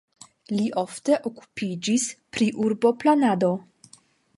Li ofte okupiĝis pri urboplanado.